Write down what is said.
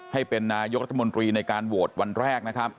ให้เป็นนายกรัฐมนตรีในการโหวตวันแรกนะครับ